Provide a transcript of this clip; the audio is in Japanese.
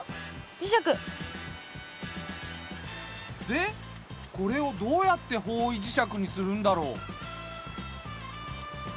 でこれをどうやって方位磁石にするんだろう？